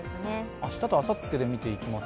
明日とあさってで見ていきます。